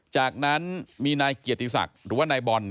จากนั้นมีนายเกียรติศักดิ์หรือว่านายบอล